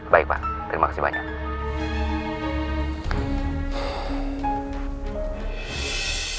baik pak terima kasih banyak